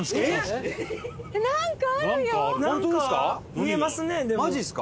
見えますねでも。